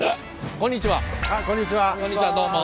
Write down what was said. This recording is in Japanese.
こんにちはどうも。